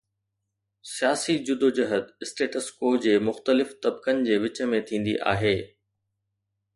سياسي جدوجهد status quo جي مختلف طبقن جي وچ ۾ ٿيندي آهي.